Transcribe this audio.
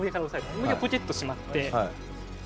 もう一回ポケットにしまって。